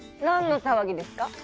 何の騒ぎですか？